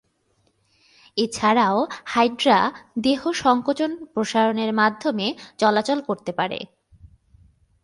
এছাড়াও হাইড্রা, দেহ সংকোচন প্রসারণের মাধ্যমে চলাচল করতে পারে।